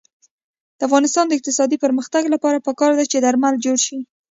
د افغانستان د اقتصادي پرمختګ لپاره پکار ده چې درمل جوړ شي.